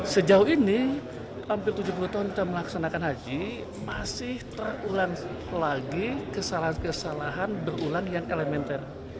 sejauh ini hampir tujuh puluh tahun kita melaksanakan haji masih terulang lagi kesalahan kesalahan berulang yang elementer